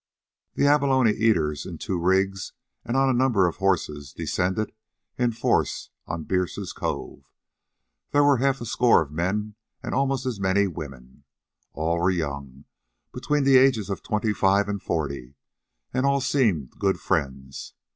The Abalone Eaters, in two rigs and on a number of horses, descended in force on Bierce's Cove. There were half a score of men and almost as many women. All were young, between the ages of twenty five and forty, and all seemed good friends.